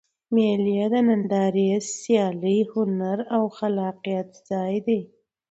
مېلې د نندارې، سیالۍ، هنر او خلاقیت ځای دئ.